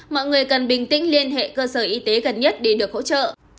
mọi người cần bình tĩnh liên hệ cơ sở y tế gần nhất để được hỗ trợ